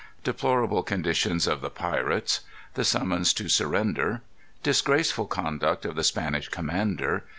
Deplorable Condition of the Pirates. The Summons to Surrender. Disgraceful Conduct of the Spanish Commander.